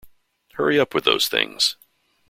Hurry up with those things.